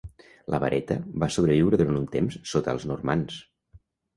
La "vareta" va sobreviure durant un temps sota els normands.